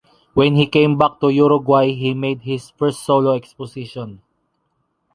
When he came back to Uruguay he made his first solo exposition.